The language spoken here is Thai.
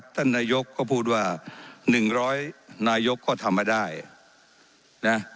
ท่านนายกก็พูดว่าหนึ่งร้อยนายกก็ทำไม่ได้น่ะ